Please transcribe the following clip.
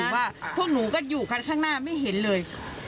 ว่าพวกหนูก็อยู่คันข้างหน้าไม่เห็นเลย